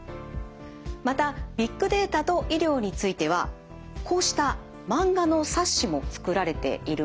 またビッグデータと医療についてはこうした漫画の冊子も作られているんですね。